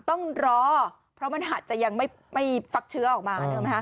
ต้องรอเพราะมันอาจจะยังไม่ฟักเชื้อออกมาถูกไหมคะ